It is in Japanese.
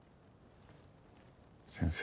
先生。